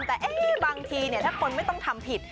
แต่บางทีถ้าคนไม่ต้องทำผิด